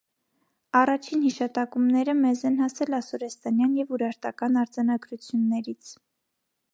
Առաջին հիշատակումները մեզ են հասել ասորեստանյան և ուրարտական արձանագրություններից։